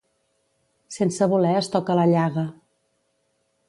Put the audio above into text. Sense voler es toca la llaga.